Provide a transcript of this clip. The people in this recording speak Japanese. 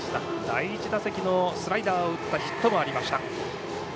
第１打席のスライダーを打ったヒットもありました。